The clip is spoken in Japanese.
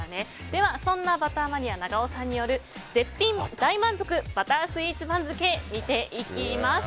では、そんなバターマニア長尾さんによる大満足バタースイーツ番付見ていきます。